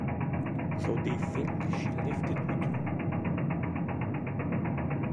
So they think she left it with you.